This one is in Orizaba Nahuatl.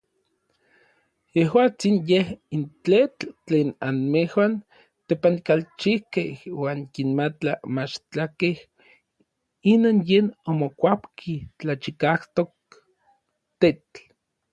Yejuatsin yej n tetl tlen anmejuan tepankalchijkej oankimatla machtlakej inon yen omokuapki tlachikajtok tetl.